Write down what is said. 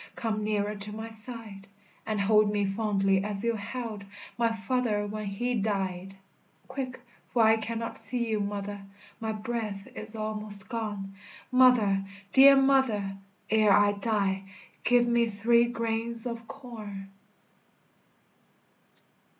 Come nearer to my side, And hold me fondly, as you held My father when he died; Quick, for I cannot see you, mother, My breath is almost gone; Mother! dear mother! ere I die, Give me three grains of corn.